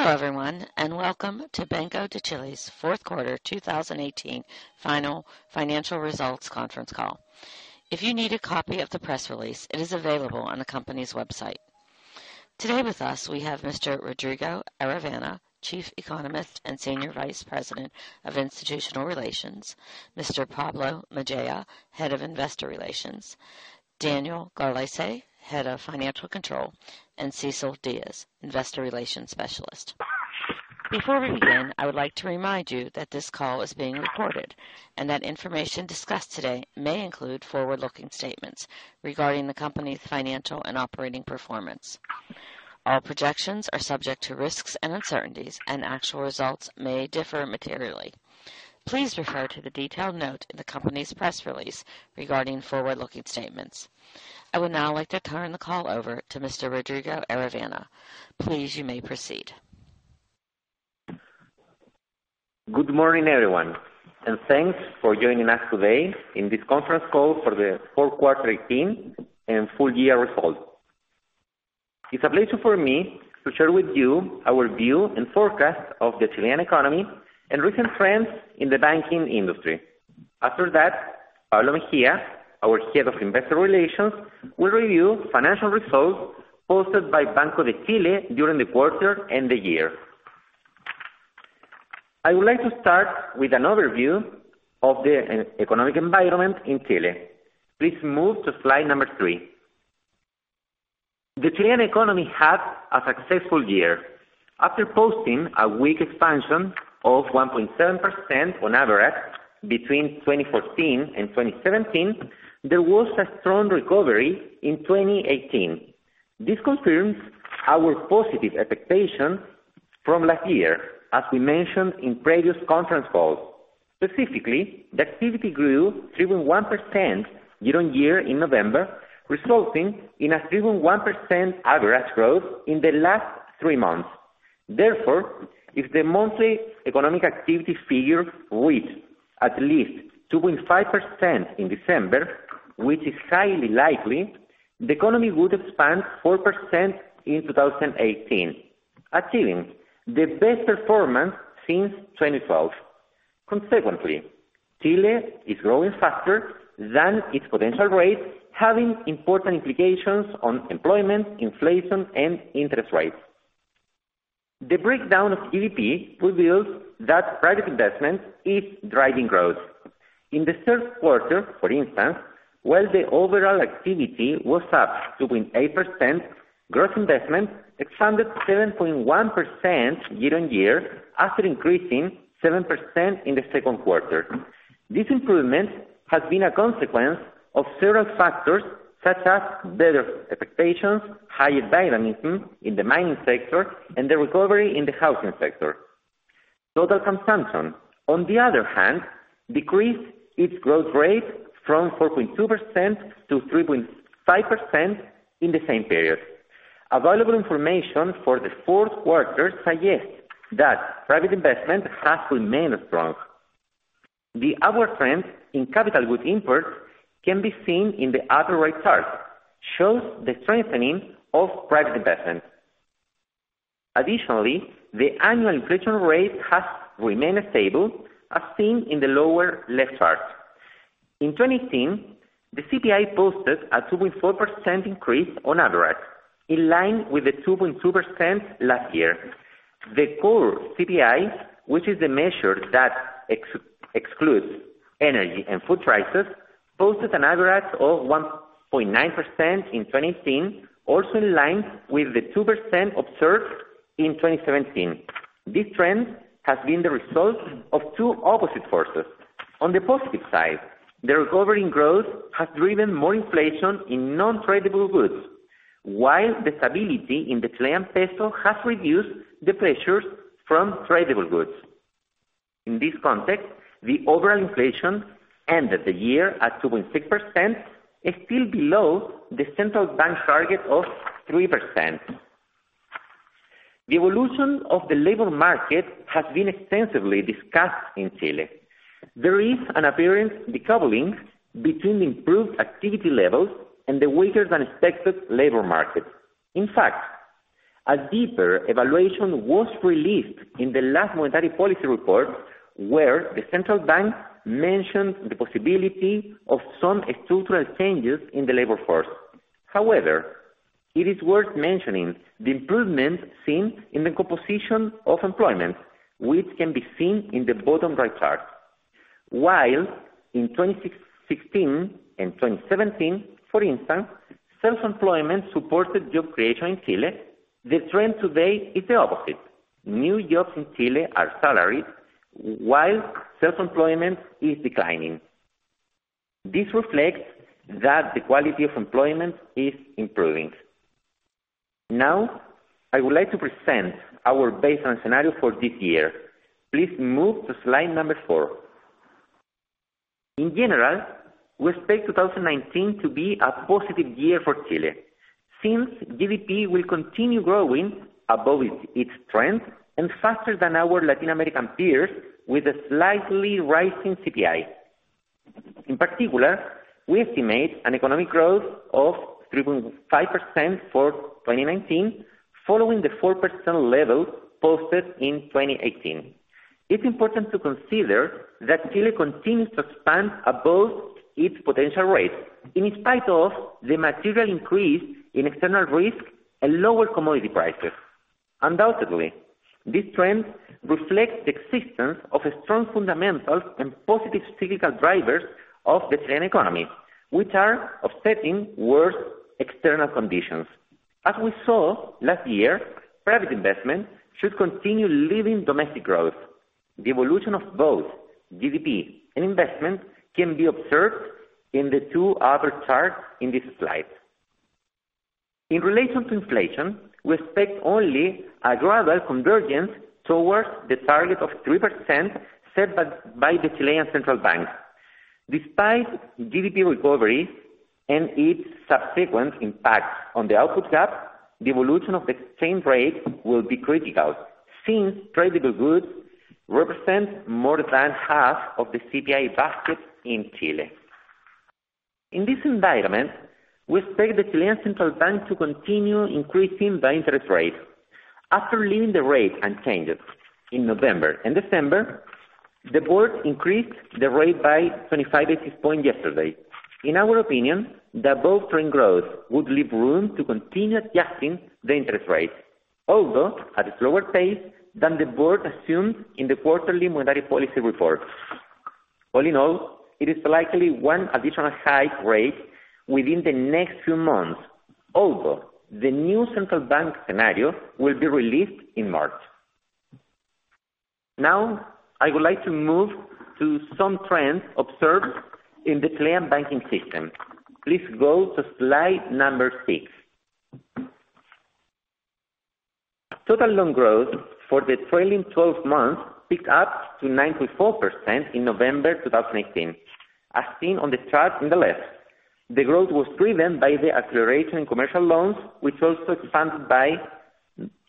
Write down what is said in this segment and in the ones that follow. Hello, everyone, and welcome to Banco de Chile's fourth quarter 2018 final financial results conference call. If you need a copy of the press release, it is available on the company's website. Today with us, we have Mr. Rodrigo Aravena, Chief Economist and Senior Vice President of Institutional Relations, Mr. Pablo Mejia, Head of Investor Relations, Daniel Galarce, Head of Financial Control, and Cecilia Diaz, Investor Relations Specialist. Before we begin, I would like to remind you that this call is being recorded and that information discussed today may include forward-looking statements regarding the company's financial and operating performance. All projections are subject to risks and uncertainties, and actual results may differ materially. Please refer to the detailed note in the company's press release regarding forward-looking statements. I would now like to turn the call over to Mr. Rodrigo Aravena. Please, you may proceed. Good morning, everyone, and thanks for joining us today in this conference call for the fourth quarter team and full-year results. It's a pleasure for me to share with you our view and forecast of the Chilean economy and recent trends in the banking industry. Pablo Mejia, our Head of Investor Relations, will review financial results posted by Banco de Chile during the quarter and the year. I would like to start with an overview of the economic environment in Chile. Please move to slide number three. The Chilean economy had a successful year. After posting a weak expansion of 1.7% on average between 2014 and 2017, there was a strong recovery in 2018. This confirms our positive expectation from last year, as we mentioned in previous conference calls. The activity grew 3.1% year-on-year in November, resulting in a 3.1% average growth in the last three months. If the monthly economic activity figure reads at least 2.5% in December, which is highly likely, the economy would expand 4% in 2018, achieving the best performance since 2012. Chile is growing faster than its potential rate, having important implications on employment, inflation, and interest rates. The breakdown of GDP reveals that private investment is driving growth. While the overall activity was up 2.8%, gross investment expanded 7.1% year-on-year after increasing 7% in the second quarter. This improvement has been a consequence of several factors, such as better expectations, higher dynamism in the mining sector, and the recovery in the housing sector. Total consumption decreased its growth rate from 4.2% to 3.5% in the same period. Available information for the fourth quarter suggests that private investment has remained strong. The upward trend in capital goods imports can be seen in the upper right chart, shows the strengthening of private investment. The annual inflation rate has remained stable, as seen in the lower left chart. In 2018, the CPI posted a 2.4% increase on average, in line with the 2.2% last year. The core CPI, which is the measure that excludes energy and food prices, posted an average of 1.9% in 2018, also in line with the 2% observed in 2017. This trend has been the result of two opposite forces. On the positive side, the recovery in growth has driven more inflation in non-tradable goods, while the stability in the Chilean peso has reduced the pressures from tradable goods. In this context, the overall inflation ended the year at 2.6%, still below the Central Bank target of 3%. The evolution of the labor market has been extensively discussed in Chile. There is an apparent decoupling between improved activity levels and the weaker-than-expected labor market. In fact, a deeper evaluation was released in the last monetary policy report, where the Central Bank mentioned the possibility of some structural changes in the labor force. However, it is worth mentioning the improvement seen in the composition of employment, which can be seen in the bottom right chart. While in 2016 and 2017, for instance, self-employment supported job creation in Chile, the trend today is the opposite. New jobs in Chile are salaried, while self-employment is declining. This reflects that the quality of employment is improving. I would like to present our baseline scenario for this year. Please move to slide number four. In general, we expect 2019 to be a positive year for Chile, since GDP will continue growing above its trend and faster than our Latin American peers with a slightly rising CPI. In particular, we estimate an economic growth of 3.5% for 2019 following the 4% level posted in 2018. It's important to consider that Chile continues to expand above its potential rate, in spite of the material increase in external risk and lower commodity prices. Undoubtedly, this trend reflects the existence of strong fundamentals and positive cyclical drivers of the Chilean economy, which are offsetting worse external conditions. As we saw last year, private investment should continue leading domestic growth. The evolution of both GDP and investment can be observed in the two other charts in this slide. In relation to inflation, we expect only a gradual convergence towards the target of 3% set by the Chilean Central Bank. Despite GDP recovery and its subsequent impact on the output gap, the evolution of the exchange rate will be critical, since tradable goods represent more than half of the CPI basket in Chile. In this environment, we expect the Chilean Central Bank to continue increasing the interest rate. After leaving the rate unchanged in November and December, the board increased the rate by 25 basis points yesterday. In our opinion, the above-trend growth would leave room to continue adjusting the interest rate, although at a slower pace than the board assumed in the quarterly monetary policy report. All in all, it is likely one additional high rate within the next few months, although the new Central Bank scenario will be released in March. I would like to move to some trends observed in the Chilean banking system. Please go to slide number six. Total loan growth for the trailing 12 months picked up to 9.4% in November 2018, as seen on the chart on the left. The growth was driven by the acceleration in commercial loans, which also expanded by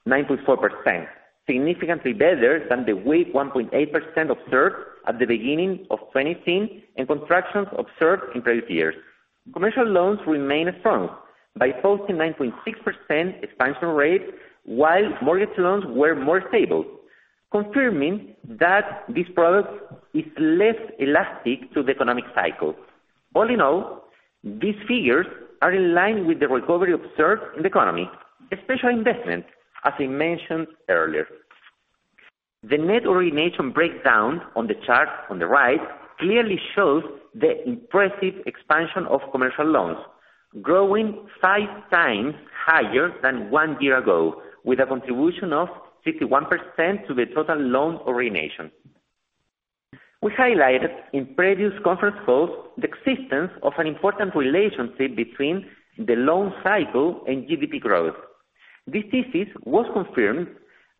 9.4%, significantly better than the weak 1.8% observed at the beginning of 2018 and contractions observed in previous years. Commercial loans remain firm by posting 9.6% expansion rate, while mortgage loans were more stable, confirming that this product is less elastic to the economic cycle. All in all, these figures are in line with the recovery observed in the economy, especially investment, as I mentioned earlier. The net origination breakdown on the chart on the right clearly shows the impressive expansion of consumer loans, growing five times higher than one year ago, with a contribution of 51% to the total loan origination. We highlighted in previous conference calls the existence of an important relationship between the loan cycle and GDP growth. This thesis was confirmed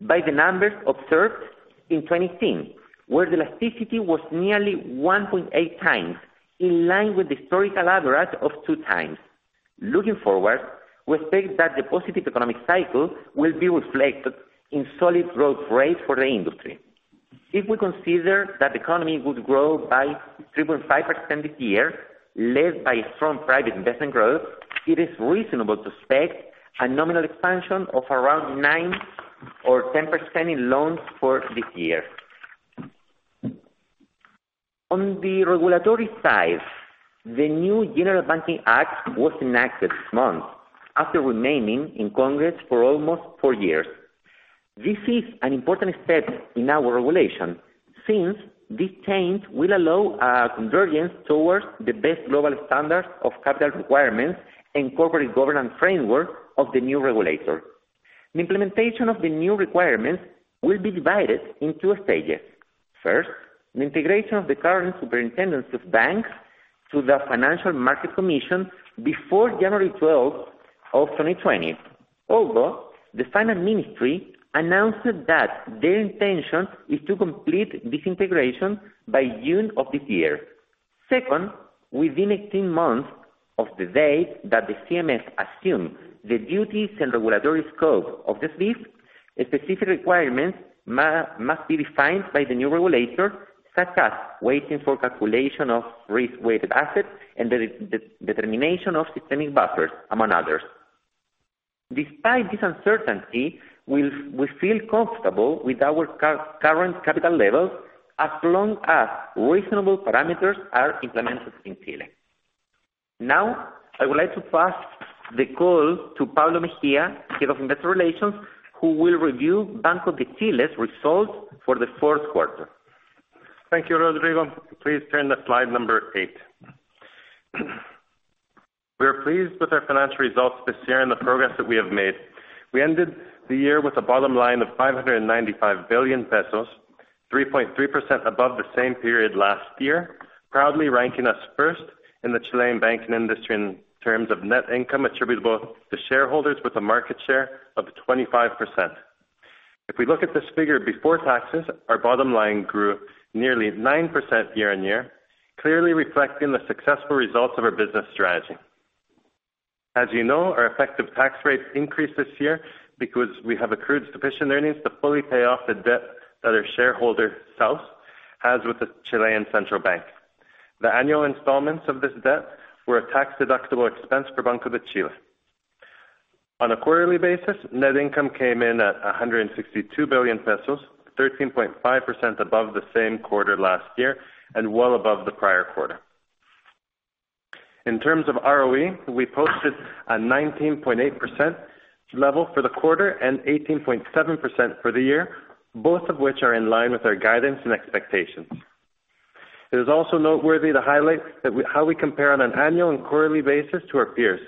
by the numbers observed in 2018, where the elasticity was nearly 1.8 times, in line with the historical average of two times. Looking forward, we expect that the positive economic cycle will be reflected in solid growth rates for the industry. If we consider that the economy would grow by 3.5% this year, led by strong private investment growth, it is reasonable to expect a nominal expansion of around 9% or 10% in loans for this year. On the regulatory side, the new General Banking Act was enacted this month after remaining in Congress for almost four years. This is an important step in our regulation, since this change will allow a convergence towards the best global standards of capital requirements and corporate governance framework of the new regulator. The implementation of the new requirements will be divided in two stages. First, the integration of the current Superintendence of Banks to the Financial Market Commission before January 12th of 2020. The Ministry of Finance announced that their intention is to complete this integration by June of this year. Second, within 18 months of the date that the CMF assumed the duties and regulatory scope of the SBIF, a specific requirement must be defined by the new regulator, such as waiting for calculation of risk-weighted assets and the determination of systemic buffers, among others. Despite this uncertainty, we feel comfortable with our current capital levels as long as reasonable parameters are implemented in Chile. I would like to pass the call to Pablo Mejia, Head of Investor Relations, who will review Banco de Chile's results for the fourth quarter. Thank you, Rodrigo. Please turn to slide number eight. We are pleased with our financial results this year and the progress that we have made. We ended the year with a bottom line of 595 billion pesos, 3.3% above the same period last year, proudly ranking us first in the Chilean banking industry in terms of net income attributable to shareholders with a market share of 25%. If we look at this figure before taxes, our bottom line grew nearly 9% year-on-year, clearly reflecting the successful results of our business strategy. As you know, our effective tax rate increased this year because we have accrued sufficient earnings to fully pay off the debt that our shareholder, SAOS, has with the Chilean Central Bank. The annual installments of this debt were a tax-deductible expense for Banco de Chile. On a quarterly basis, net income came in at 162 billion pesos, 13.5% above the same quarter last year, well above the prior quarter. In terms of ROE, we posted a 19.8% level for the quarter and 18.7% for the year, both of which are in line with our guidance and expectations. It is also noteworthy to highlight how we compare on an annual and quarterly basis to our peers.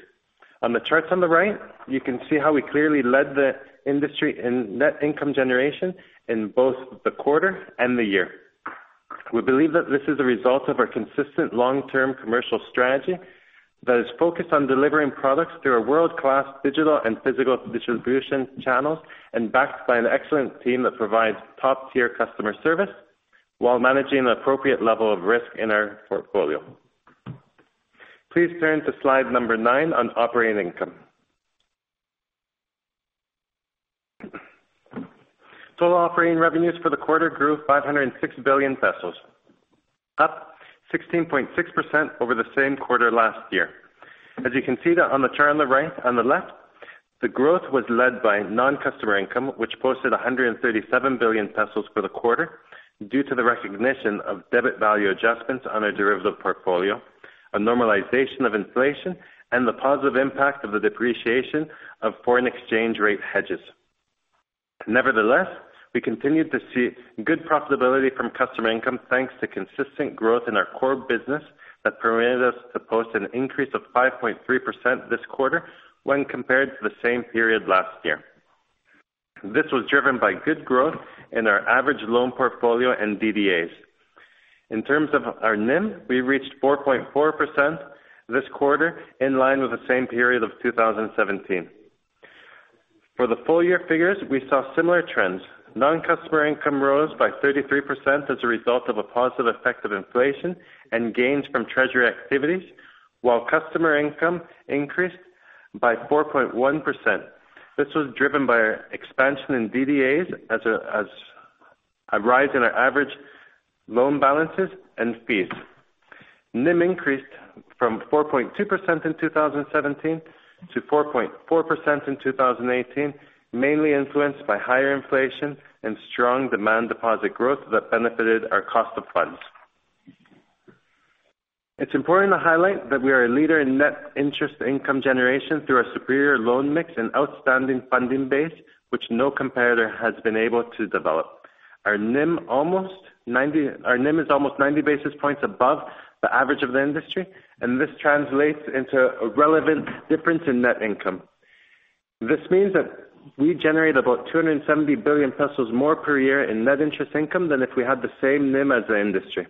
On the charts on the right, you can see how we clearly led the industry in net income generation in both the quarter and the year. We believe that this is a result of our consistent long-term commercial strategy that is focused on delivering products through our world-class digital and physical distribution channels and backed by an excellent team that provides top-tier customer service while managing an appropriate level of risk in our portfolio. Please turn to slide number 9 on operating income. Total operating revenues for the quarter grew 506 billion pesos, up 16.6% over the same quarter last year. As you can see on the chart on the left, the growth was led by non-customer income, which posted 137 billion pesos for the quarter due to the recognition of debit value adjustments on a derivative portfolio, a normalization of inflation, and the positive impact of the depreciation of foreign exchange rate hedges. Nevertheless, we continued to see good profitability from customer income, thanks to consistent growth in our core business that permitted us to post an increase of 5.3% this quarter when compared to the same period last year. This was driven by good growth in our average loan portfolio and DDAs. In terms of our NIM, we reached 4.4% this quarter, in line with the same period of 2017. For the full-year figures, we saw similar trends. Non-customer income rose by 33% as a result of a positive effect of inflation and gains from treasury activities, while customer income increased by 4.1%. This was driven by our expansion in DDAs as a rise in our average loan balances and fees. NIM increased from 4.2% in 2017 to 4.4% in 2018, mainly influenced by higher inflation and strong demand deposit growth that benefited our cost of funds. It's important to highlight that we are a leader in net interest income generation through our superior loan mix and outstanding funding base, which no competitor has been able to develop. Our NIM is almost 90 basis points above the average of the industry, and this translates into a relevant difference in net income. This means that we generate about 270 billion pesos more per year in net interest income than if we had the same NIM as the industry.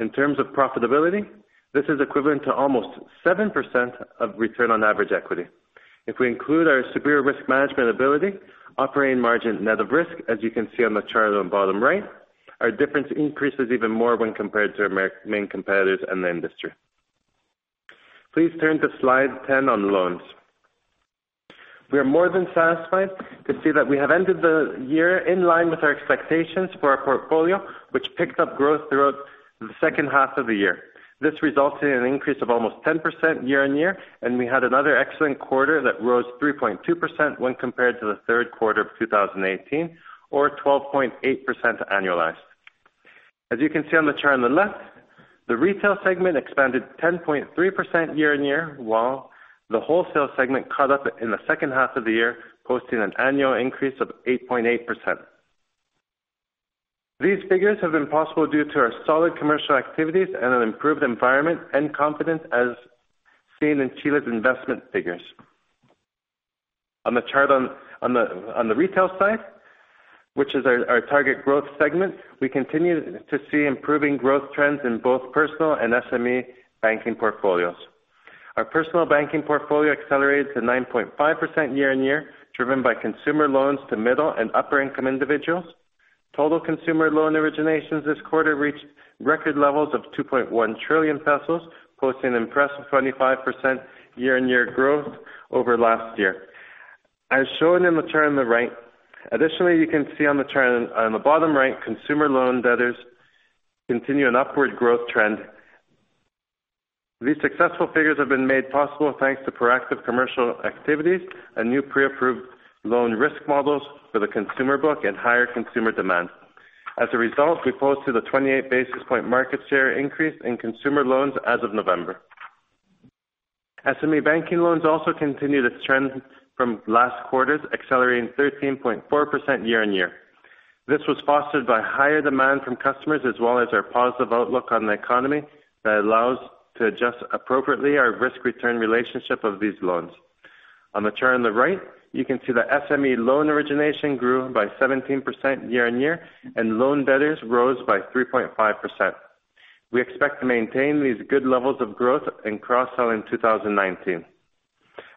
In terms of profitability, this is equivalent to almost 7% of return on average equity. If we include our superior risk management ability, operating margin net of risk, as you can see on the chart on the bottom right, our difference increases even more when compared to our main competitors in the industry. Please turn to slide 10 on loans. We are more than satisfied to see that we have ended the year in line with our expectations for our portfolio, which picked up growth throughout the second half of the year. This resulted in an increase of almost 10% year-on-year, and we had another excellent quarter that rose 3.2% when compared to the third quarter of 2018 or 12.8% annualized. As you can see on the chart on the left, the retail segment expanded 10.3% year-on-year, while the wholesale segment caught up in the second half of the year, posting an annual increase of 8.8%. These figures have been possible due to our solid commercial activities and an improved environment and confidence as seen in Chile's investment figures. On the chart on the retail side, which is our target growth segment, we continue to see improving growth trends in both personal and SME banking portfolios. Our personal banking portfolio accelerates to 9.5% year-on-year, driven by consumer loans to middle and upper-income individuals. Total consumer loan originations this quarter reached record levels of 2.1 trillion pesos, posting an impressive 25% year-on-year growth over last year. As shown in the chart on the right, additionally, you can see on the chart on the bottom right, consumer loan debtors continue an upward growth trend. These successful figures have been made possible thanks to proactive commercial activities, and new pre-approved loan risk models for the consumer book and higher consumer demand. As a result, we posted a 28 basis point market share increase in consumer loans as of November. SME banking loans also continue this trend from last quarters, accelerating 13.4% year-on-year. This was fostered by higher demand from customers, as well as our positive outlook on the economy that allows to adjust appropriately our risk-return relationship of these loans. On the chart on the right, you can see the SME loan origination grew by 17% year-on-year, and loan debtors rose by 3.5%. We expect to maintain these good levels of growth and cross-sell in 2019.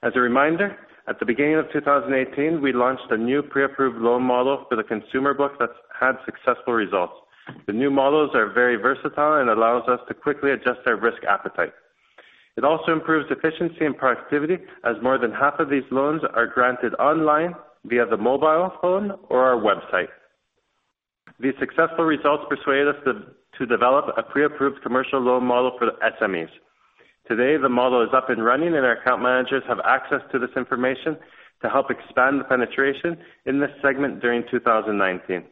As a reminder, at the beginning of 2018, we launched a new pre-approved loan model for the consumer book that's had successful results. The new models are very versatile and allows us to quickly adjust our risk appetite. It also improves efficiency and productivity, as more than half of these loans are granted online via the mobile phone or our website. These successful results persuaded us to develop a pre-approved commercial loan model for SMEs. Today, the model is up and running, and our account managers have access to this information to help expand the penetration in this segment during 2019.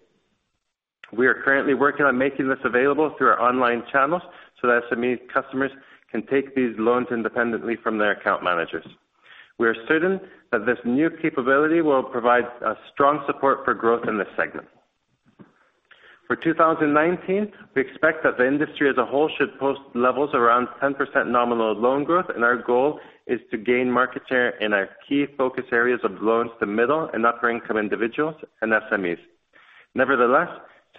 We are currently working on making this available through our online channels so that SME customers can take these loans independently from their account managers. We are certain that this new capability will provide a strong support for growth in this segment. For 2019, we expect that the industry as a whole should post levels around 10% nominal loan growth, and our goal is to gain market share in our key focus areas of loans to middle and upper-income individuals and SMEs. Nevertheless,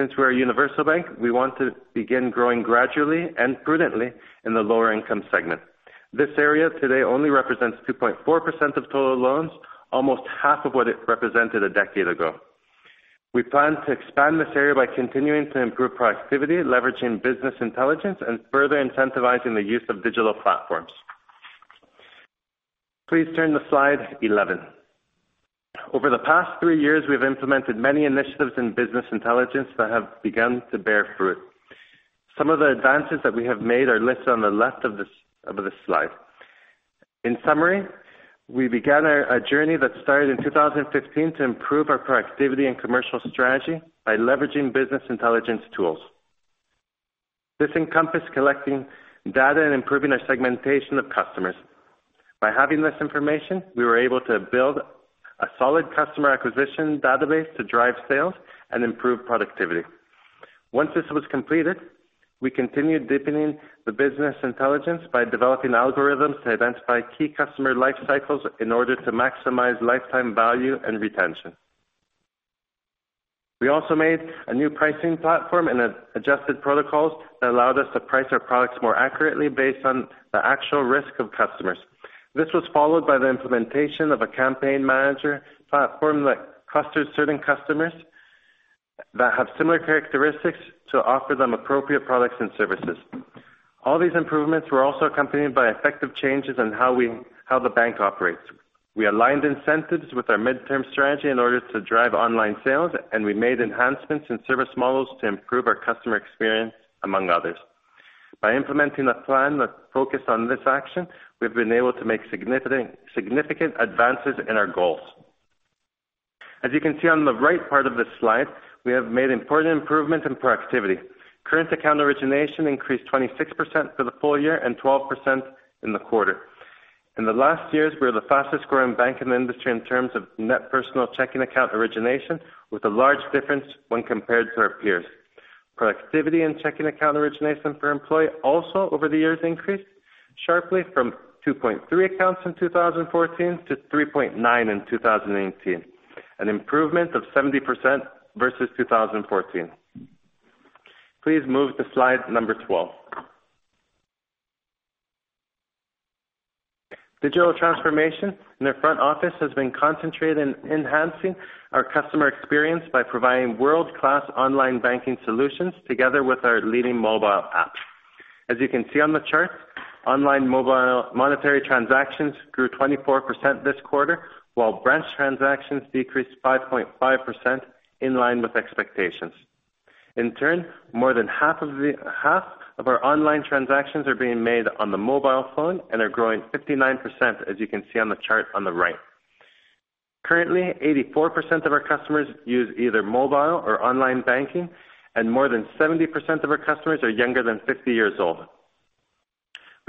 since we are a universal bank, we want to begin growing gradually and prudently in the lower-income segment. This area today only represents 2.4% of total loans, almost half of what it represented a decade ago. We plan to expand this area by continuing to improve productivity, leveraging business intelligence, and further incentivizing the use of digital platforms. Please turn to slide 11. Over the past three years, we have implemented many initiatives in business intelligence that have begun to bear fruit. Some of the advances that we have made are listed on the left of this slide. In summary, we began a journey that started in 2015 to improve our productivity and commercial strategy by leveraging business intelligence tools. This encompassed collecting data and improving our segmentation of customers. By having this information, we were able to build a solid customer acquisition database to drive sales and improve productivity. Once this was completed, we continued deepening the business intelligence by developing algorithms to identify key customer life cycles in order to maximize lifetime value and retention. We also made a new pricing platform and adjusted protocols that allowed us to price our products more accurately based on the actual risk of customers. This was followed by the implementation of a campaign manager platform that clusters certain customers that have similar characteristics to offer them appropriate products and services. All these improvements were also accompanied by effective changes in how the bank operates. We aligned incentives with our midterm strategy in order to drive online sales, and we made enhancements in service models to improve our customer experience, among others. By implementing a plan that focused on this action, we've been able to make significant advances in our goals. As you can see on the right part of this slide, we have made important improvements in productivity. Current account origination increased 26% for the full year and 12% in the quarter. In the last years, we are the fastest-growing bank in the industry in terms of net personal checking account origination, with a large difference when compared to our peers. Productivity and checking account origination per employee also over the years increased sharply from 2.3 accounts in 2014 to 3.9 in 2018, an improvement of 70% versus 2014. Please move to slide number 12. Digital transformation in our front office has been concentrated in enhancing our customer experience by providing world-class online banking solutions together with our leading mobile app. As you can see on the chart, online mobile monetary transactions grew 24% this quarter, while branch transactions decreased 5.5%, in line with expectations. In turn, more than half of our online transactions are being made on the mobile phone and are growing 59%, as you can see on the chart on the right. Currently, 84% of our customers use either mobile or online banking, and more than 70% of our customers are younger than 50 years old.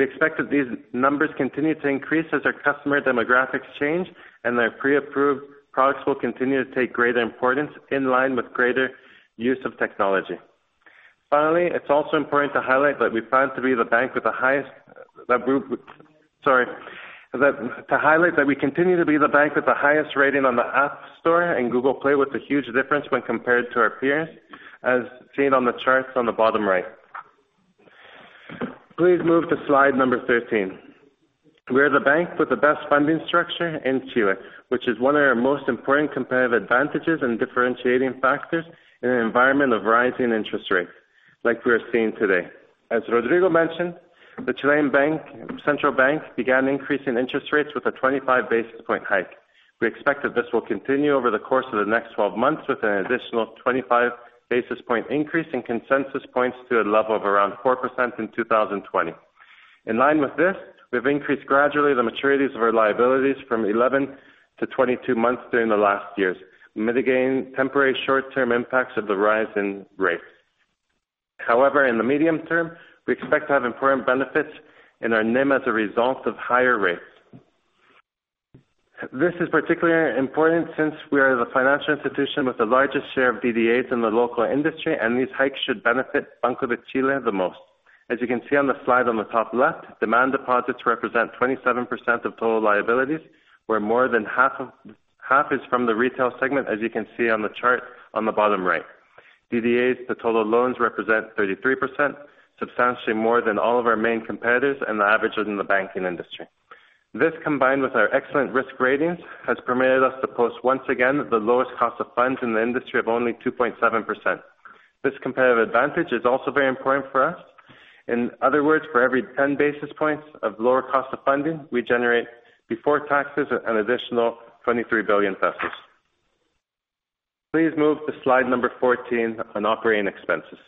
We expect that these numbers continue to increase as our customer demographics change, and their pre-approved products will continue to take greater importance in line with greater use of technology. Finally, it's also important to highlight that we continue to be the bank with the highest rating on the App Store and Google Play with a huge difference when compared to our peers, as seen on the charts on the bottom right. Please move to slide number 13. We are the bank with the best funding structure in Chile, which is one of our most important competitive advantages and differentiating factors in an environment of rising interest rates like we are seeing today. As Rodrigo mentioned, the Chilean Central Bank began increasing interest rates with a 25 basis point hike. We expect that this will continue over the course of the next 12 months with an additional 25 basis point increase. Consensus points to a level of around 4% in 2020. In line with this, we've increased gradually the maturities of our liabilities from 11 to 22 months during the last years, mitigating temporary short-term impacts of the rise in rates. In the medium term, we expect to have important benefits in our NIM as a result of higher rates. This is particularly important since we are the financial institution with the largest share of DDAs in the local industry. These hikes should benefit Banco de Chile the most. As you can see on the slide on the top left, demand deposits represent 27% of total liabilities, where more than half is from the retail segment, as you can see on the chart on the bottom right. DDAs to total loans represent 33%, substantially more than all of our main competitors and the average within the banking industry. This combined with our excellent risk ratings, has permitted us to post once again the lowest cost of funds in the industry of only 2.7%. This competitive advantage is also very important for us. In other words, for every 10 basis points of lower cost of funding, we generate before taxes an additional 23 billion pesos. Please move to slide number 14 on operating expenses.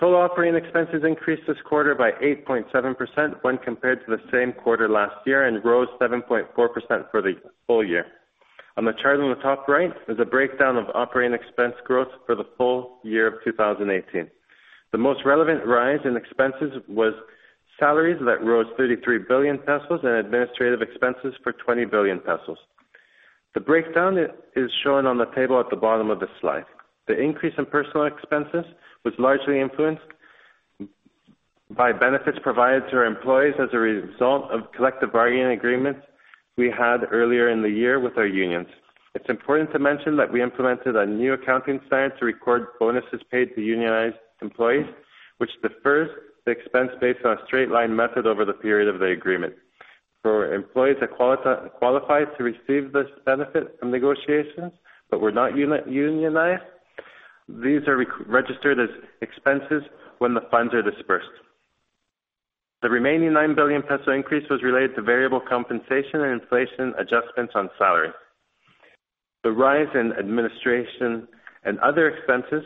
Total operating expenses increased this quarter by 8.7% when compared to the same quarter last year, and rose 7.4% for the full year. On the chart on the top right is a breakdown of operating expense growth for the full year of 2018. The most relevant rise in expenses was salaries that rose 33 billion pesos and administrative expenses for 20 billion pesos. The breakdown is shown on the table at the bottom of the slide. The increase in personal expenses was largely influenced by benefits provided to our employees as a result of collective bargaining agreements we had earlier in the year with our unions. It's important to mention that we implemented a new accounting standard to record bonuses paid to unionized employees, which defers the expense based on a straight-line method over the period of the agreement. For employees that qualified to receive this benefit from negotiations but were not unionized, these are registered as expenses when the funds are disbursed. The remaining 9 billion peso increase was related to variable compensation and inflation adjustments on salary. The rise in administration and other expenses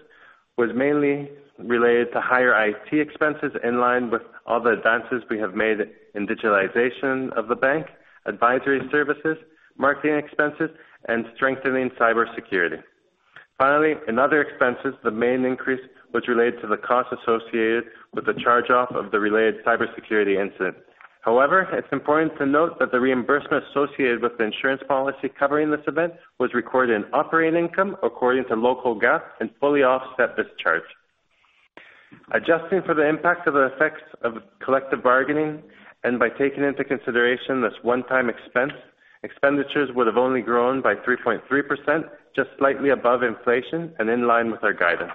was mainly related to higher IT expenses in line with all the advances we have made in digitalization of the bank, advisory services, marketing expenses, and strengthening cybersecurity. In other expenses, the main increase was related to the cost associated with the charge-off of the related cybersecurity incident. It's important to note that the reimbursement associated with the insurance policy covering this event was recorded in operating income according to local GAAP and fully offset this charge. Adjusting for the impact of the effects of collective bargaining and by taking into consideration this one-time expense, expenditures would have only grown by 3.3%, just slightly above inflation and in line with our guidance.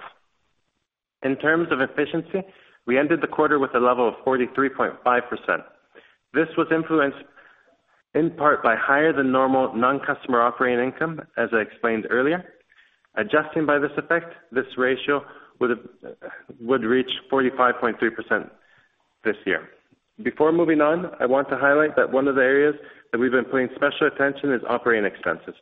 In terms of efficiency, we ended the quarter with a level of 43.5%. This was influenced in part by higher than normal non-customer operating income, as I explained earlier. Adjusting by this effect, this ratio would reach 45.3% this year. Before moving on, I want to highlight that one of the areas that we've been paying special attention is operating expenses.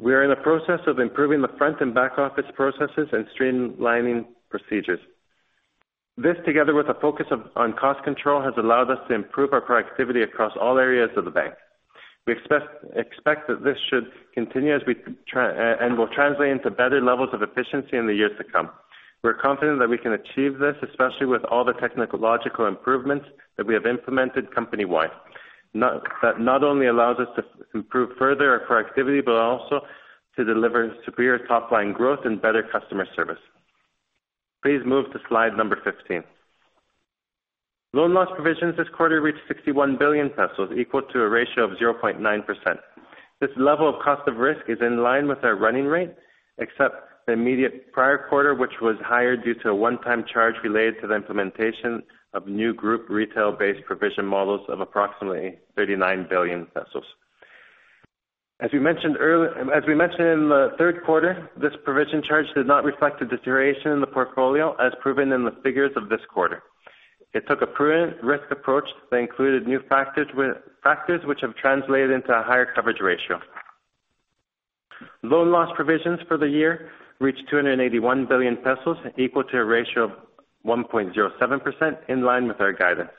We are in the process of improving the front and back office processes and streamlining procedures. This, together with a focus on cost control, has allowed us to improve our productivity across all areas of the bank. We expect that this should continue and will translate into better levels of efficiency in the years to come. We are confident that we can achieve this, especially with all the technological improvements that we have implemented company-wide, that not only allows us to improve further our productivity, but also to deliver superior top-line growth and better customer service. Please move to slide number 15. Loan loss provisions this quarter reached 61 billion pesos, equal to a ratio of 0.9%. This level of cost of risk is in line with our running rate, except the immediate prior quarter, which was higher due to a one-time charge related to the implementation of new group retail-based provision models of approximately 39 billion pesos. As we mentioned in the third quarter, this provision charge did not reflect the deterioration in the portfolio, as proven in the figures of this quarter. It took a prudent risk approach that included new factors which have translated into a higher coverage ratio. Loan loss provisions for the year reached 281 billion pesos, equal to a ratio of 1.07%, in line with our guidance.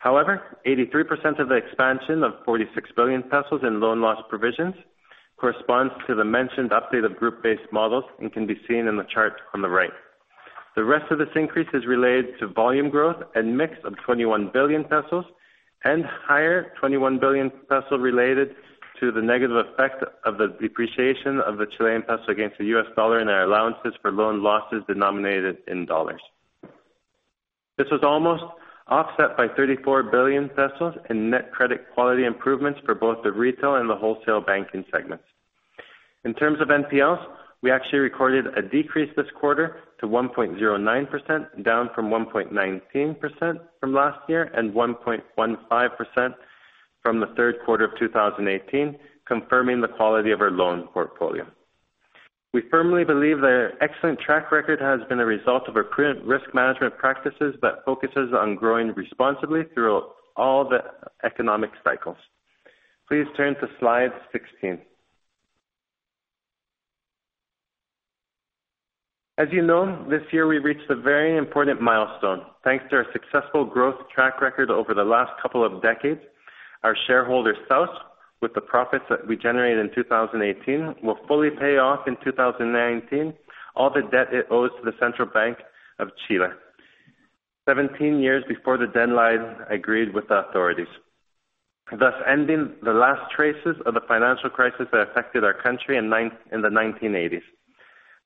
However, 83% of the expansion of 46 billion pesos in loan loss provisions corresponds to the mentioned update of group-based models and can be seen in the chart on the right. The rest of this increase is related to volume growth and mix of 21 billion pesos and higher 21 billion peso related to the negative effect of the depreciation of the Chilean peso against the U.S. dollar in our allowances for loan losses denominated in U.S. dollars. This was almost offset by 34 billion pesos in net credit quality improvements for both the retail and the wholesale banking segments. In terms of NPLs, we actually recorded a decrease this quarter to 1.09%, down from 1.19% from last year and 1.15% from the third quarter of 2018, confirming the quality of our loan portfolio. We firmly believe their excellent track record has been a result of our prudent risk management practices that focuses on growing responsibly throughout all the economic cycles. Please turn to slide 16. As you know, this year we reached a very important milestone. Thanks to our successful growth track record over the last couple of decades, our shareholder, SAOS, with the profits that we generated in 2018, will fully pay off in 2019 all the debt it owes to the Central Bank of Chile, 17 years before the deadline agreed with the authorities, thus ending the last traces of the financial crisis that affected our country in the 1980s.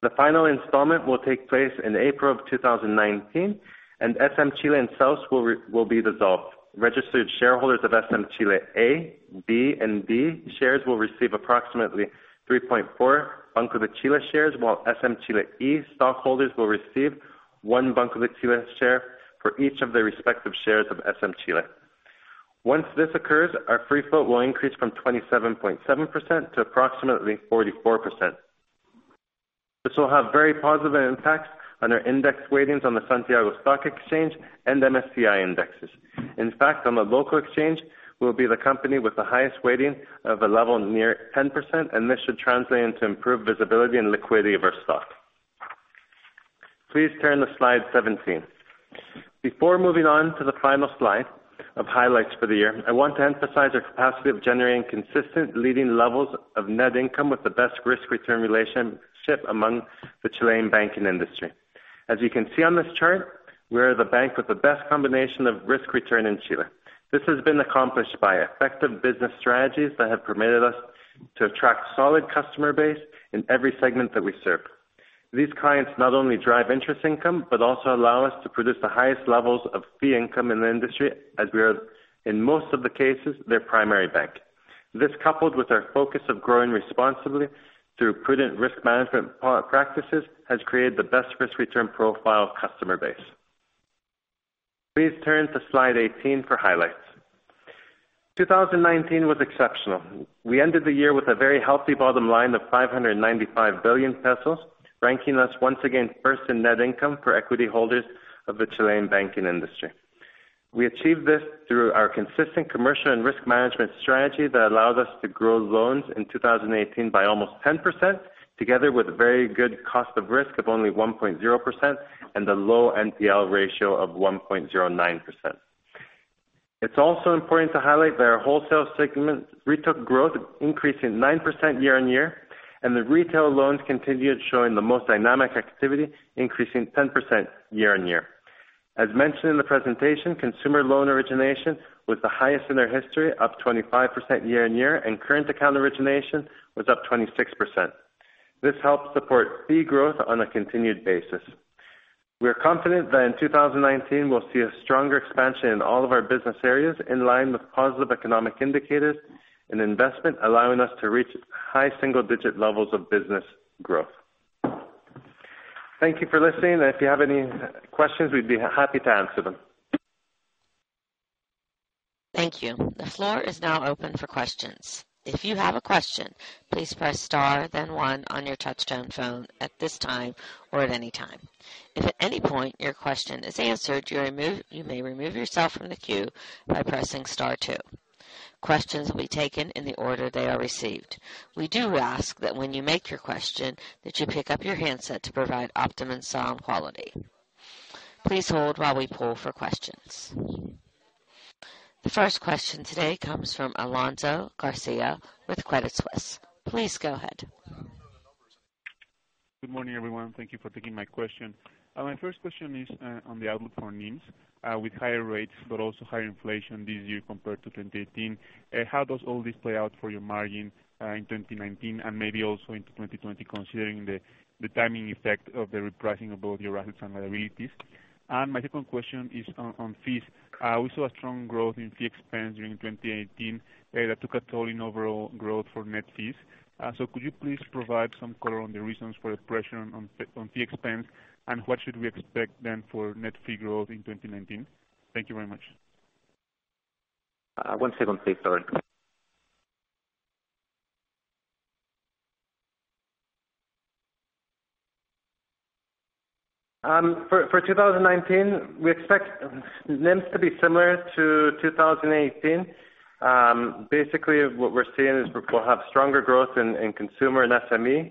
The final installment will take place in April of 2019, and SM-Chile and SAOS will be dissolved. Registered shareholders of SM Chile-A, B, and D shares will receive approximately 3.4 Banco de Chile shares, while SM Chile-E stockholders will receive one Banco de Chile share for each of their respective shares of SM-Chile. Once this occurs, our free float will increase from 27.7% to approximately 44%. This will have very positive impacts on our index weightings on the Santiago Stock Exchange and MSCI indexes. In fact, on the local exchange, we will be the company with the highest weighting of a level near 10%, and this should translate into improved visibility and liquidity of our stock. Please turn to slide 17. Before moving on to the final slide of highlights for the year, I want to emphasize our capacity of generating consistent leading levels of net income with the best risk-return relationship among the Chilean banking industry. As you can see on this chart, we are the bank with the best combination of risk-return in Chile. This has been accomplished by effective business strategies that have permitted us to attract solid customer base in every segment that we serve. These clients not only drive interest income but also allow us to produce the highest levels of fee income in the industry as we are, in most of the cases, their primary bank. This, coupled with our focus of growing responsibly through prudent risk management practices, has created the best risk-return profile customer base. Please turn to slide 18 for highlights. 2019 was exceptional. We ended the year with a very healthy bottom line of 595 billion pesos, ranking us once again first in net income for equity holders of the Chilean banking industry. We achieved this through our consistent commercial and risk management strategy that allowed us to grow loans in 2018 by almost 10%, together with very good cost of risk of only 1.0% and a low NPL ratio of 1.09%. It's also important to highlight that our wholesale segment retook growth, increasing 9% year-on-year, and the retail loans continued showing the most dynamic activity, increasing 10% year-on-year. As mentioned in the presentation, consumer loan origination was the highest in our history, up 25% year-on-year, and current account origination was up 26%. This helps support fee growth on a continued basis. We are confident that in 2019, we'll see a stronger expansion in all of our business areas, in line with positive economic indicators and investment, allowing us to reach high single-digit levels of business growth. Thank you for listening, and if you have any questions, we'd be happy to answer them. Thank you. The floor is now open for questions. If you have a question, please press star then one on your touchtone phone at this time or at any time. If at any point your question is answered, you may remove yourself from the queue by pressing star two. Questions will be taken in the order they are received. We do ask that when you make your question, that you pick up your handset to provide optimum sound quality. Please hold while we poll for questions. The first question today comes from Alonso Garcia with Credit Suisse. Please go ahead. Good morning, everyone. Thank you for taking my question. My first question is on the outlook for NIMs, with higher rates but also higher inflation this year compared to 2018. How does all this play out for your margin in 2019 and maybe also into 2020, considering the timing effect of the repricing of both your assets and liabilities? My second question is on fees. We saw a strong growth in fee expense during 2018 that took a toll in overall growth for net fees. Could you please provide some color on the reasons for the pressure on fee expense, and what should we expect then for net fee growth in 2019? Thank you very much. One second, please. Sorry. For 2019, we expect NIMs to be similar to 2018. What we're seeing is we'll have stronger growth in consumer and SME,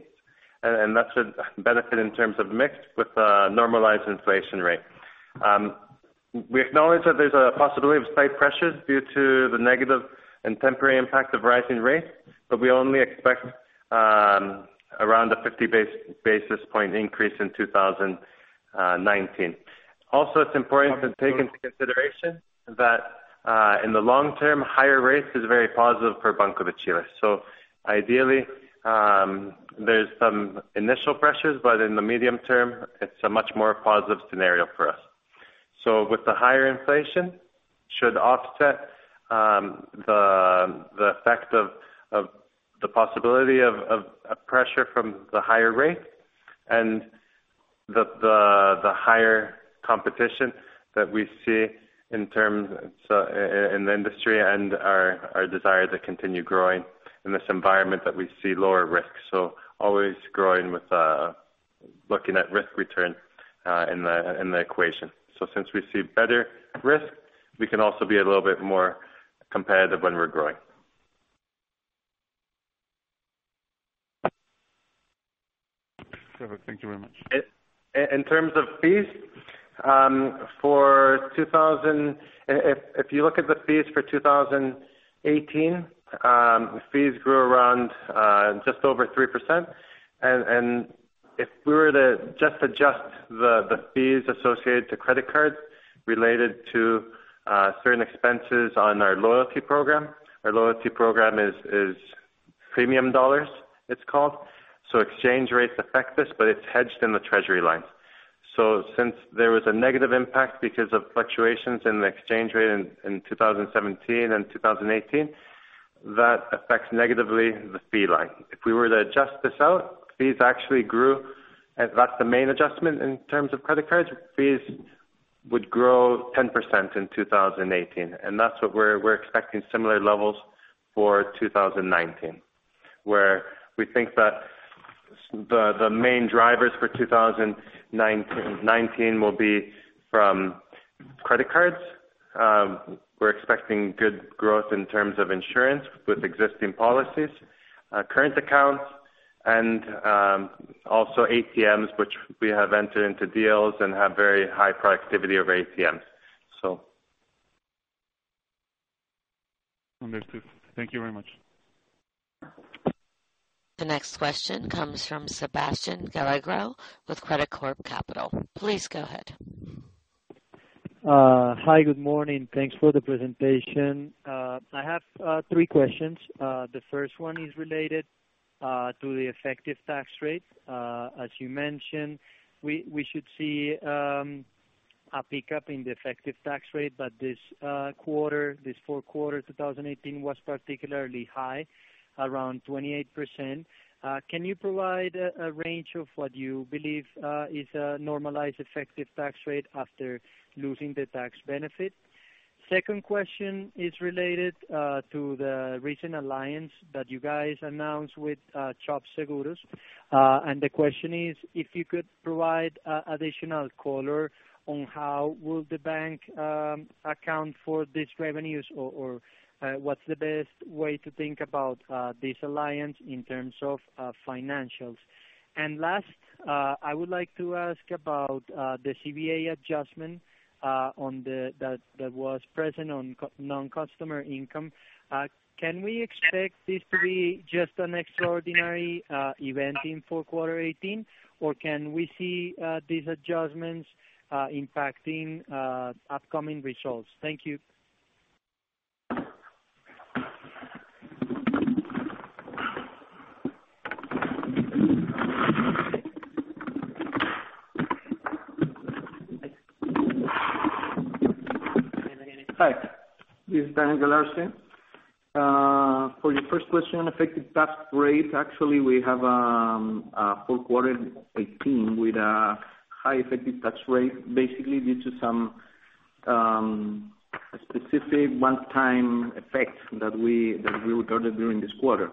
and that should benefit in terms of mix with a normalized inflation rate. We acknowledge that there's a possibility of slight pressures due to the negative and temporary impact of rising rates, but we only expect around a 50 basis point increase in 2019. It's important to take into consideration that in the long term, higher rates is very positive for Banco de Chile. Ideally, there's some initial pressures, but in the medium term, it's a much more positive scenario for us. With the higher inflation, should offset the effect of the possibility of pressure from the higher rates and the higher competition that we see in the industry and our desire to continue growing in this environment that we see lower risk. Always growing with looking at risk return in the equation. Since we see better risk, we can also be a little bit more competitive when we're growing. Perfect. Thank you very much. In terms of fees, if you look at the fees for 2018, fees grew around just over 3%. If we were to just adjust the fees associated to credit cards related to certain expenses on our loyalty program, our loyalty program is Dólares-Premio, it's called. Exchange rates affect us, but it's hedged in the Treasury line. Since there was a negative impact because of fluctuations in the exchange rate in 2017 and 2018. That affects negatively the fee line. If we were to adjust this out, fees actually grew, and that's the main adjustment in terms of credit cards. Fees would grow 10% in 2018, and that's what we're expecting similar levels for 2019. We think that the main drivers for 2019 will be from credit cards. We're expecting good growth in terms of insurance with existing policies, current accounts, and also ATMs, which we have entered into deals and have very high productivity of ATMs. Understood. Thank you very much. The next question comes from Sebastian Gallego with Credicorp Capital. Please go ahead. Hi, good morning. Thanks for the presentation. I have three questions. The first one is related to the effective tax rate. As you mentioned, we should see a pickup in the effective tax rate, but this quarter, this fourth quarter 2018, was particularly high, around 28%. Can you provide a range of what you believe is a normalized effective tax rate after losing the tax benefit? Second question is related to the recent alliance that you guys announced with Chubb Seguros. The question is, if you could provide additional color on how will the bank account for these revenues or what's the best way to think about this alliance in terms of financials? Last, I would like to ask about the CVA adjustment that was present on non-customer income. Can we expect this to be just an extraordinary event in fourth quarter '18, or can we see these adjustments impacting upcoming results? Thank you. Hi. This is Daniel Galarce. For your first question, effective tax rate, actually, we have a full quarter '18 with a high effective tax rate, basically due to some specific one time effect that we recorded during this quarter.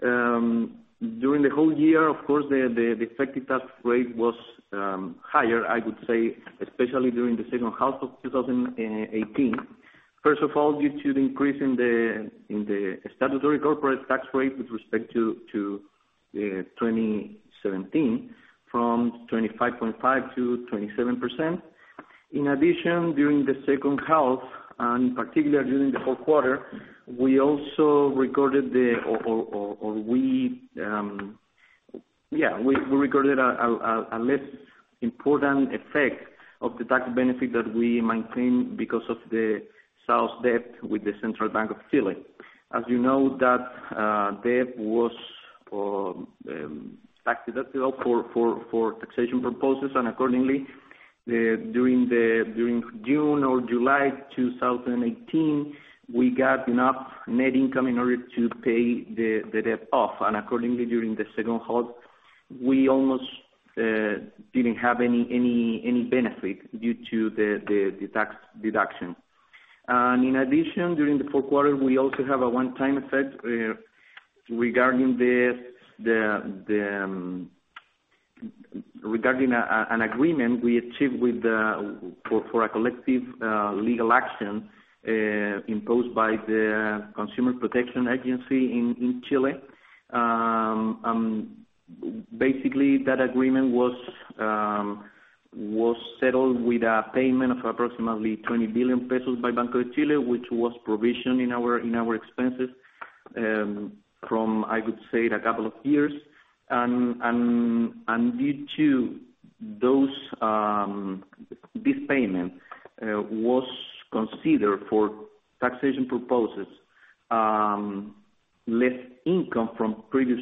During the whole year, of course, the effective tax rate was higher, I would say, especially during the second half of 2018. First of all, due to the increase in the statutory corporate tax rate with respect to 2017 from 25.5%-27%. In addition, during the second half, and particularly during the fourth quarter, we also recorded a less important effect of the tax benefit that we maintained because of the SAOS debt with the Central Bank of Chile. As you know, that debt was tax deductible for taxation purposes, accordingly, during June or July 2018, we got enough net income in order to pay the debt off. Accordingly, during the second half, we almost didn't have any benefit due to the tax deduction. In addition, during the fourth quarter, we also have a one time effect regarding an agreement we achieved for a collective legal action imposed by the SERNAC in Chile. Basically, that agreement was settled with a payment of approximately 20 billion pesos by Banco de Chile, which was provision in our expenses from, I would say, a couple of years. Due to this payment was considered for taxation purposes, less income from previous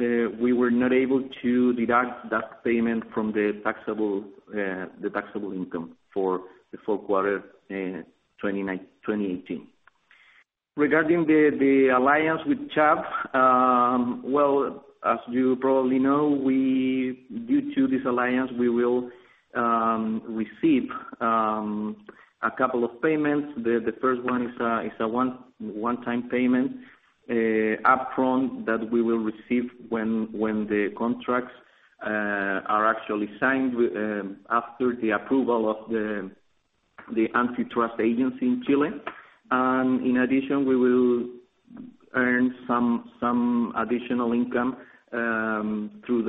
years, we were not able to deduct that payment from the taxable income for the fourth quarter 2018. Regarding the alliance with Chubb, well, as you probably know, due to this alliance, we will receive a couple of payments. The first one is a one-time payment, upfront, that we will receive when the contracts are actually signed after the approval of the antitrust agency in Chile. In addition, we will earn some additional income through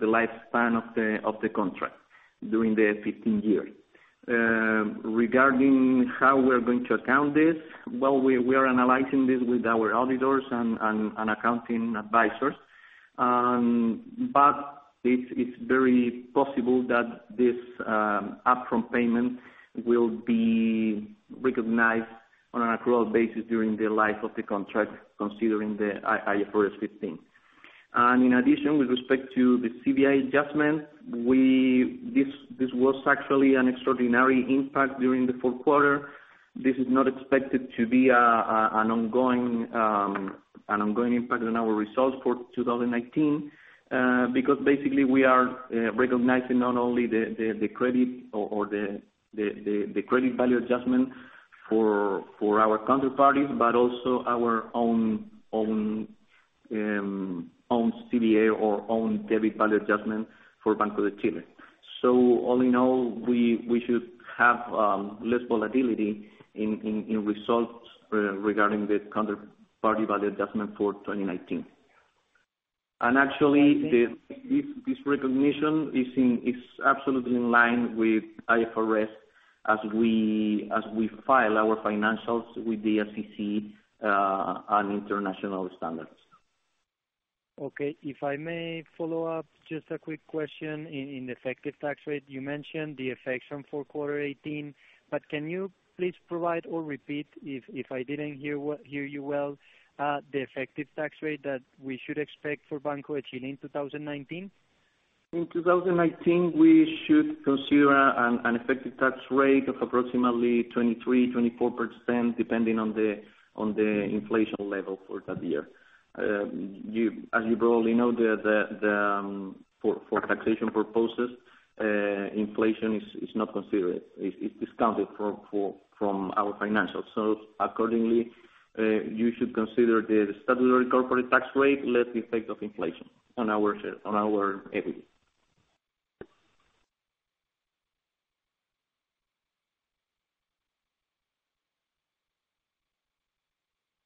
the lifespan of the contract during the 15 years. Regarding how we are going to account this, we are analyzing this with our auditors and accounting advisors. It's very possible that this upfront payment will be recognized on an accrual basis during the life of the contract, considering the IFRS 15. In addition, with respect to the CVA adjustment, this was actually an extraordinary impact during the fourth quarter. This is not expected to be an ongoing impact on our results for 2019, because basically we are recognizing not only the credit value adjustment for our counterparties, but also our own CVA or own credit value adjustment for Banco de Chile. All in all, we should have less volatility in results regarding the counterparty value adjustment for 2019. Actually, this recognition is absolutely in line with IFRS as we file our financials with the SEC on international standards. Okay. If I may follow up, just a quick question. In effective tax rate, you mentioned the effects on fourth quarter 2018, can you please provide or repeat, if I didn't hear you well, the effective tax rate that we should expect for Banco de Chile in 2019? In 2019, we should consider an effective tax rate of approximately 23%-24%, depending on the inflation level for that year. As you probably know, for taxation purposes, inflation is not considered. It's discounted from our financials. Accordingly, you should consider the statutory corporate tax rate less the effect of inflation on our equity.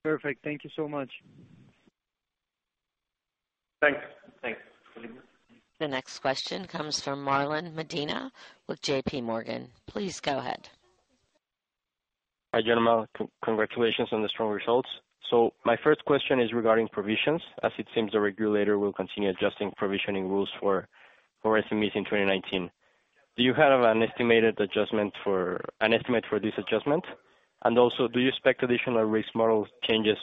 Perfect. Thank you so much. Thanks. Thanks. The next question comes from Marlon Medina with JPMorgan. Please go ahead. Hi, gentlemen. Congratulations on the strong results. My first question is regarding provisions, as it seems the regulator will continue adjusting provisioning rules for SMEs in 2019. Do you have an estimate for this adjustment? Also, do you expect additional risk model changes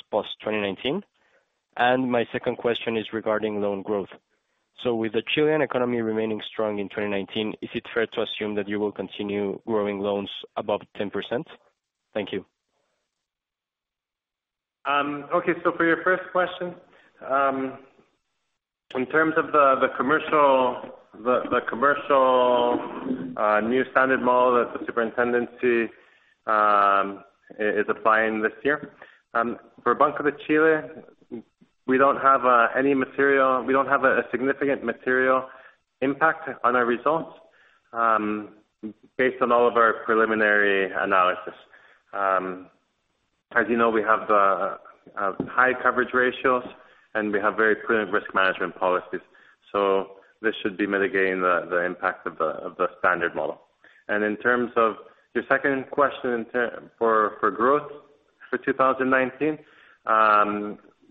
post-2019? My second question is regarding loan growth. With the Chilean economy remaining strong in 2019, is it fair to assume that you will continue growing loans above 10%? Thank you. Okay. For your first question, in terms of the commercial new standard model that the superintendency is applying this year. For Banco de Chile, we don't have a significant material impact on our results based on all of our preliminary analysis. As you know, we have high coverage ratios and we have very prudent risk management policies. This should be mitigating the impact of the standard model. In terms of your second question for growth for 2019.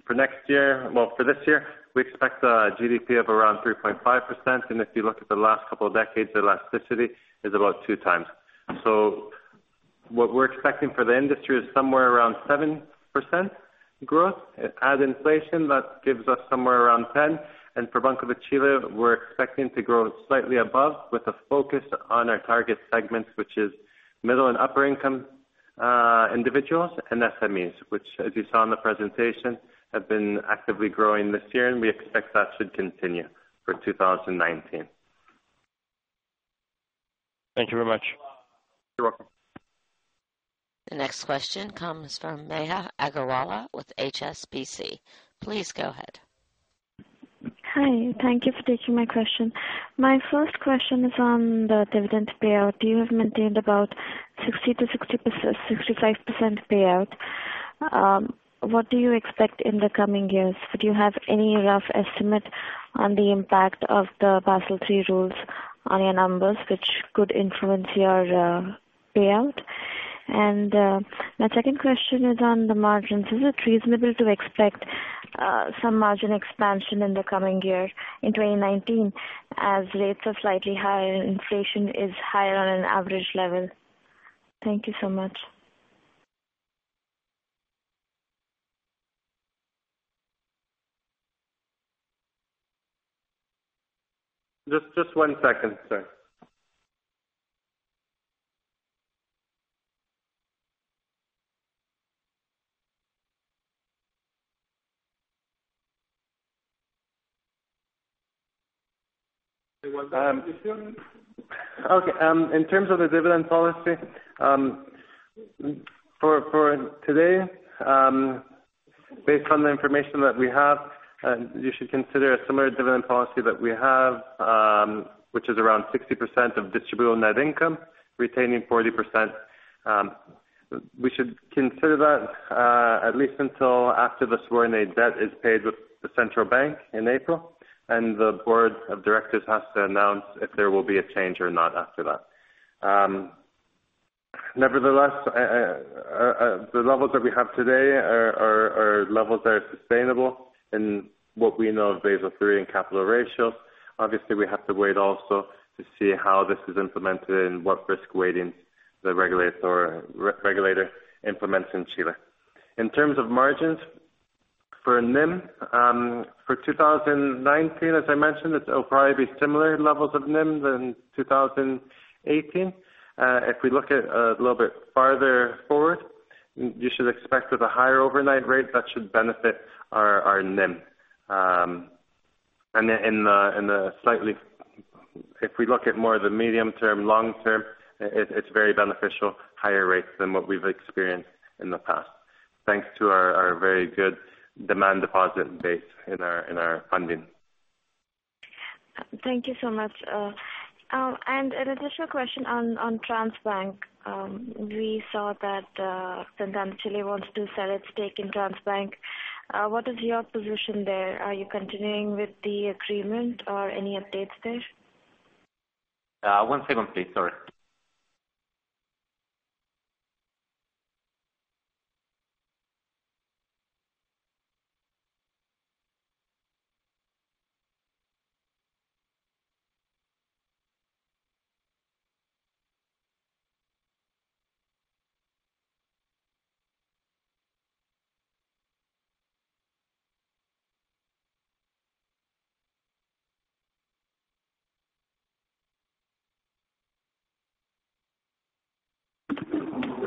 For this year, we expect a GDP of around 3.5%, and if you look at the last couple of decades, the elasticity is about two times. What we're expecting for the industry is somewhere around 7% growth. Add inflation, that gives us somewhere around 10%. For Banco de Chile, we're expecting to grow slightly above with a focus on our target segments, which is middle and upper income individuals and SMEs, which, as you saw in the presentation, have been actively growing this year, and we expect that to continue for 2019. Thank you very much. You're welcome. The next question comes from Neha Agarwala with HSBC. Please go ahead. Hi. Thank you for taking my question. My first question is on the dividend payout. You have maintained about 60% to 65% payout. What do you expect in the coming years? Do you have any rough estimate on the impact of the Basel III rules on your numbers, which could influence your payout? My second question is on the margins. Is it reasonable to expect some margin expansion in the coming year, in 2019, as rates are slightly higher and inflation is higher on an average level? Thank you so much. Just one second, sir. Okay. In terms of the dividend policy, for today based on the information that we have, you should consider a similar dividend policy that we have, which is around 60% of distributable net income, retaining 40%. We should consider that at least until after the subordinated debt is paid with the central bank in April, the board of directors has to announce if there will be a change or not after that. Nevertheless, the levels that we have today are levels that are sustainable in what we know of Basel III and capital ratios. Obviously, we have to wait also to see how this is implemented and what risk weightings The regulator implements in Chile. In terms of margins for NIM, for 2019, as I mentioned, it will probably be similar levels of NIMs than 2018. If we look at a little bit farther forward, you should expect with a higher overnight rate, that should benefit our NIM. If we look at more of the medium term, long term, it's very beneficial, higher rates than what we've experienced in the past. Thanks to our very good demand deposit base in our funding. Thank you so much. An additional question on Transbank. We saw that Santander Chile wants to sell its stake in Transbank. What is your position there? Are you continuing with the agreement or any updates there? One second, please. Sorry.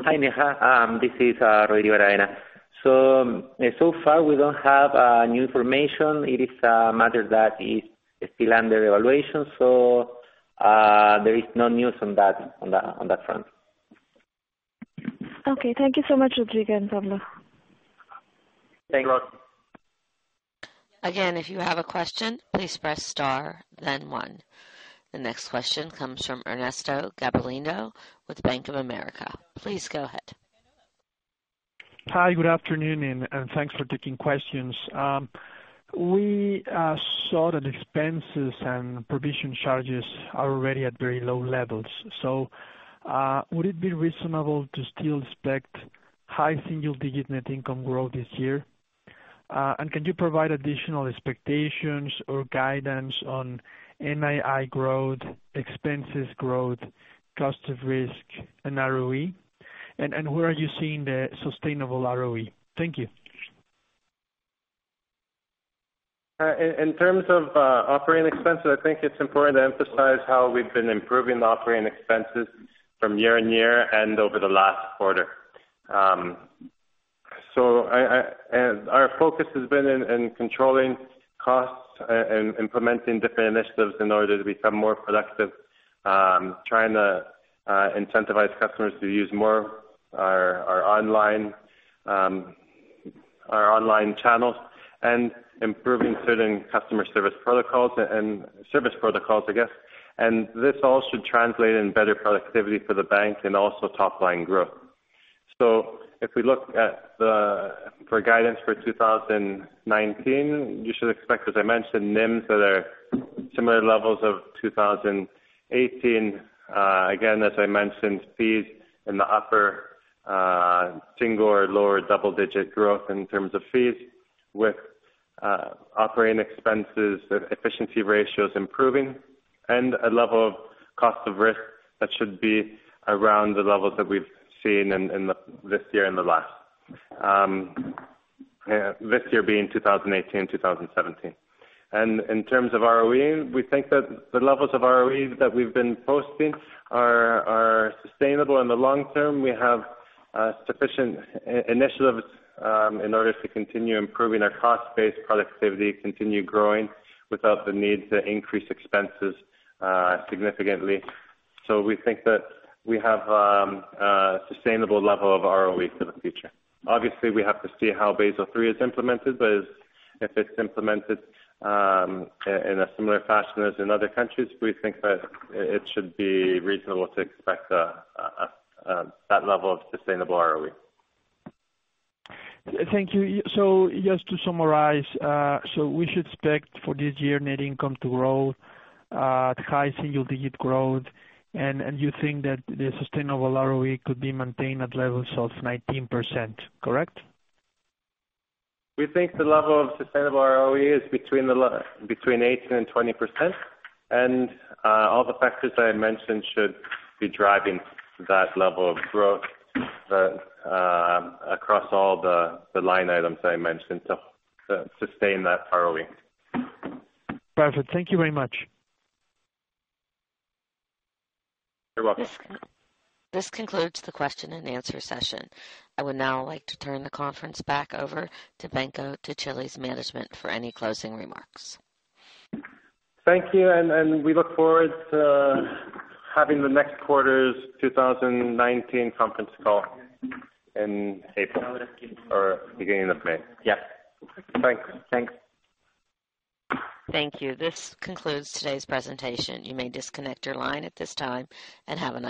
Hi, Neha, this is Rodrigo Aravena. So far, we don't have new information. It is a matter that is still under evaluation, so there is no news on that front. Okay. Thank you so much, Rodrigo and Pablo. Thanks a lot. Again, if you have a question, please press star then one. The next question comes from Ernesto Gabilondo with Bank of America. Please go ahead. Hi, good afternoon. Thanks for taking questions. We saw that expenses and provision charges are already at very low levels. Would it be reasonable to still expect high single-digit net income growth this year? Can you provide additional expectations or guidance on NII growth, expenses growth, cost of risk, and ROE? Where are you seeing the sustainable ROE? Thank you. In terms of operating expenses, I think it's important to emphasize how we've been improving the operating expenses from year and year and over the last quarter. Our focus has been in controlling costs and implementing different initiatives in order to become more productive, trying to incentivize customers to use more our online channels, and improving certain customer service protocols, I guess. This all should translate in better productivity for the bank and also top-line growth. If we look for guidance for 2019, you should expect, as I mentioned, NIMs that are similar levels of 2018. Again, as I mentioned, fees in the upper single or lower double-digit growth in terms of fees with operating expenses, efficiency ratios improving, and a level of cost of risk that should be around the levels that we've seen in this year and the last. This year being 2018-2017. In terms of ROE, we think that the levels of ROE that we've been posting are sustainable in the long term. We have sufficient initiatives in order to continue improving our cost base productivity, continue growing without the need to increase expenses significantly. We think that we have a sustainable level of ROE for the future. Obviously, we have to see how Basel III is implemented, but if it's implemented in a similar fashion as in other countries, we think that it should be reasonable to expect that level of sustainable ROE. Thank you. Just to summarize, so we should expect for this year net income to grow at high single-digit growth, and you think that the sustainable ROE could be maintained at levels of 19%, correct? We think the level of sustainable ROE is between 18% and 20%, and all the factors I mentioned should be driving that level of growth across all the line items I mentioned to sustain that ROE. Perfect. Thank you very much. You're welcome. This concludes the question and answer session. I would now like to turn the conference back over to Banco de Chile's management for any closing remarks. Thank you. We look forward to having the next quarter's 2019 conference call in April or beginning of May. Yeah. Thanks. Thanks. Thank you. This concludes today's presentation. You may disconnect your line at this time. Have a nice day.